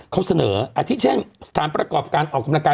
เขาเสนออาทิตเช่นสถานประกอบการออกกำลังกาย